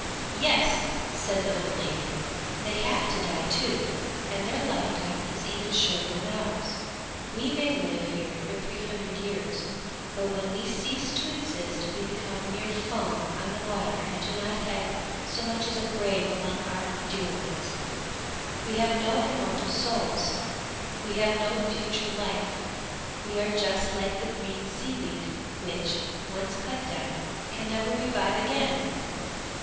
'Yes,' said the old lady, 'they have to die too, and their lifetime is even shorter than ours. We may live here for three hundred years, but when we cease to exist we become mere foam on the water and do not have so much as a grave among our dear ones. We have no immortal souls; we have no future life; we are just like the green sea weed, which, once cut down, can never revive again!